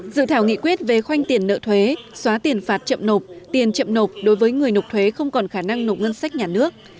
dự thảo nghị quyết về khoanh tiền nợ thuế xóa tiền phạt chậm nộp tiền chậm nộp đối với người nộp thuế không còn khả năng nộp ngân sách nhà nước